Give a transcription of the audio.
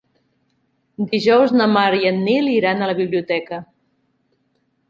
Dijous na Mar i en Nil iran a la biblioteca.